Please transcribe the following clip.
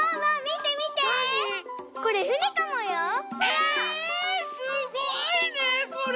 えすごいねこれ！